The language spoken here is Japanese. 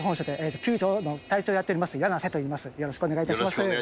よろしくお願いします。